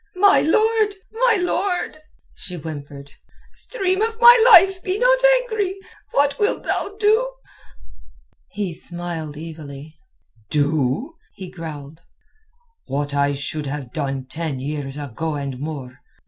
"My lord, my lord!" she whimpered. "Stream of my life, be not angry! What wilt thou do?" He smiled evilly. "Do?" he growled. "What I should have done ten years ago and more.